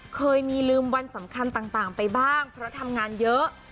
เคยมีลืมวันสำคัญต่างไปบ้างเพราะทำงานเยอะ